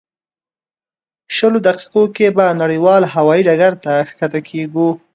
شلو دقیقو کې به نړیوال هوایي ډګر ته ښکته کېږو.